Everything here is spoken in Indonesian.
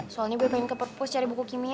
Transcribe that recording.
soalnya gue pengen ke purpose cari buku kimia